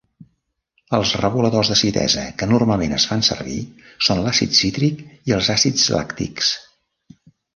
Els reguladors d’acidesa que normalment es fan servir són l’àcid cítric i els àcids làctics.